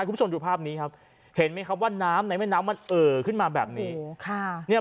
คุณผู้ชมดูภาพนี้ครับเห็นไหมครับว่าน้ำในแม่น้ำมันเอ่อขึ้นมาแบบนี้